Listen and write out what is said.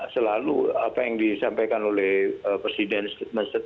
selalu apa yang disampaikan oleh presiden statement presiden itu memberi ruang interpretasi